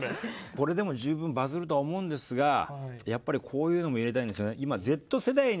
これでも十分バズるとは思うんですがやっぱりこういうのも入れたいんですよね。